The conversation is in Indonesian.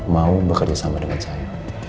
mau bekerja sama dengan saya